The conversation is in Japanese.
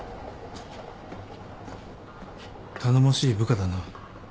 頼もしい部下だな。